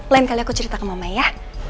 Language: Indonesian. lain kali aku cerita ke mama ya